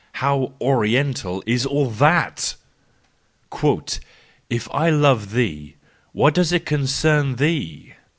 How Oriental is all that! " If I love thee, what does it concern thee